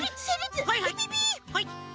はい！